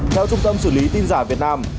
theo trung tâm xử lý tin giả việt nam